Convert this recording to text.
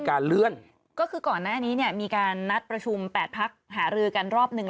ก็คือก่อนหน้านี้เนี่ยมีการนัดประชู๘พักที่หารือกันรอบนึง